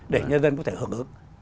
để nhân dân có thể hưởng ứng